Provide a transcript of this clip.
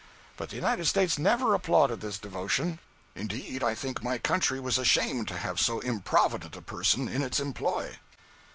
But the United States never applauded this devotion. Indeed, I think my country was ashamed to have so improvident a person in its employ.